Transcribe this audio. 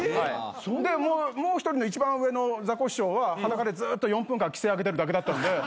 でもう一人の一番上のザコシショウは裸でずっと４分間奇声上げてるだけだったんで。